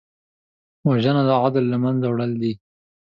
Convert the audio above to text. وژنه د عدل له منځه وړل دي